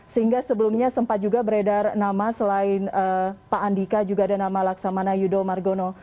sehingga sebelumnya sempat juga beredar nama selain pak andika juga ada nama laksamana yudho margono